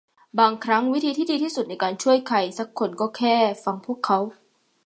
บางครั้งวิธีที่ดีที่สุดในการช่วยใครซักคนก็แค่ฟังพวกเขา